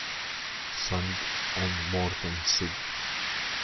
Sundt and Morten Sig.